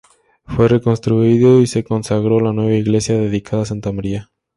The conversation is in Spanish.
Fue reconstruido y se consagró la nueva iglesia, dedicada a Santa María.